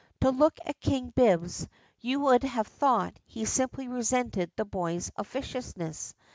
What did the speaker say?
To look at King Bibbs you would have thought he simply resented the boy's officiousness.